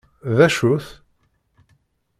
D acu-t?